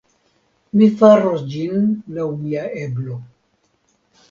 Mi faros ĝin laŭ mia eblo.